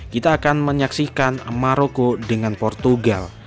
kita akan menyaksikan maroko dengan portugal